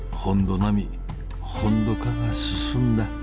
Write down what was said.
並み本土化が進んだ？